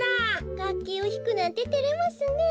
がっきをひくなんててれますねえ。